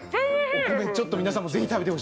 お米ちょっと皆さんもぜひ食べてほしいです。